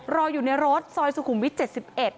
รออยู่ในรถซอยสุขุมวิทย๗๑